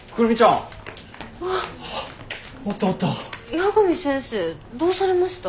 八神先生どうされました？